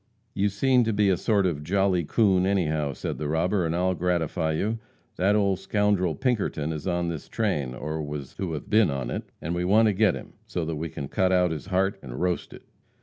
"You seem to be a sort of jolly coon, anyhow," said the robber, "and I'll gratify you. That old scoundrel, Pinkerton, is on this train, or was to have been on it, and we want to get him, so that we can cut out his heart and roast it."